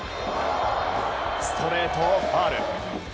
ストレートをファウル。